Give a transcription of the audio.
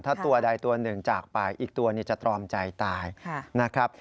ถ้าตัวใดตัวหนึ่งจากไปอีกตัวจะตรอมใจตายนะครับ